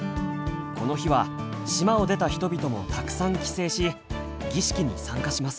この日は島を出た人々もたくさん帰省し儀式に参加します。